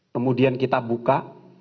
kemudian kita buka